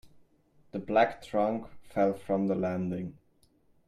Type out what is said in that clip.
The black trunk fell from the landing.